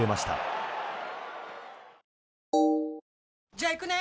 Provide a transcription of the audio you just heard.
じゃあ行くね！